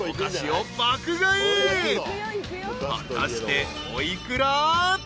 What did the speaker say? ［果たしてお幾ら？］